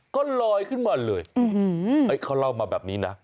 ก็ลอยขึ้นมาเลยเขาเล่ามาแบบนี้นะ